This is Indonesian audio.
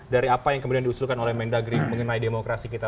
dari apa yang kemudian diusulkan oleh mendagri mengenai demokrasi kita